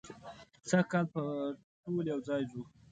سږ کال به ټول یو ځای ځو.